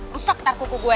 rusak tar kuku gue